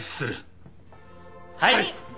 はい！